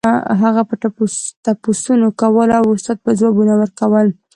هغه به تپوسونه کول او استاد به ځوابونه ورکول.